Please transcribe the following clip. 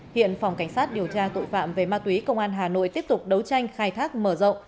hiện phòng cảnh sát điều tra tội phạm về ma túy công an hà nội tiếp tục đấu tranh khai thác mở rộng